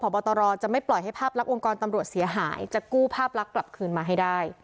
บอตรจะไม่ปล่อยให้ภาพลักษณ์องค์กรตำรวจเสียหายจะกู้ภาพลักษณ์กลับคืนมาให้ได้